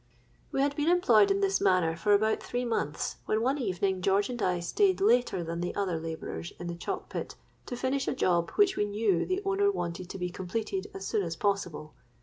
"We had been employed in this manner for about three months, when one evening George and I stayed later than the other labourers in the chalk pit, to finish a job which we knew the owner wanted to be completed as soon as possible.